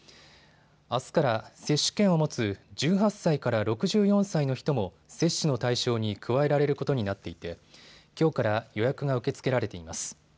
あすから接種券を持つ１８歳から６４歳の人も接種の対象に加えられることになっていてきょうから予約が受け付けられています。